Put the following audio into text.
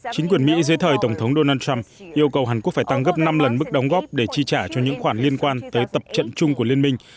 chính quyền mỹ dưới thời tổng thống donald trump yêu cầu hàn quốc phải tăng gấp năm lần mức đóng góp để chi trả cho những khoản liên quan tới tập trận chung của liên minh